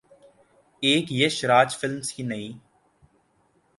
ایک ’یش راج فلمز‘ کی نئی